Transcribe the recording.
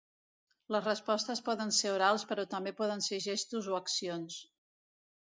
Les respostes poden ser orals però també poden ser gestos o accions.